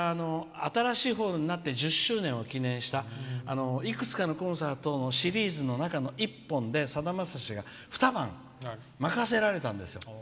新しいホールになって１０周年を記念したいくつかのホールの中の１本さだまさしが２晩任せられたんですよ。